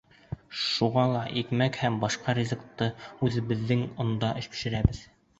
Шуға ла икмәк һәм башҡа ризыҡты үҙебеҙҙең ондан бешерәбеҙ.